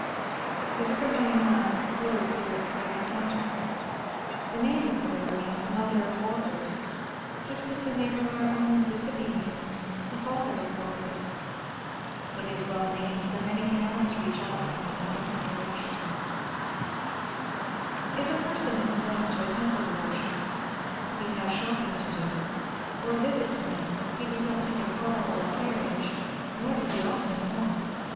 The river Meinam flows through its very centre. The name of the river means "Mother of Waters," just as the name of our own Mississippi means "The Father of Waters." It is well named, for many canals reach out from it in different directions. [Illustration: THE GREAT TEMPLE AT BANGKOK.] If a person is going to a temple to worship, if he has shopping to do, or a visit to make, he does not take a car or carriage, nor does he often walk.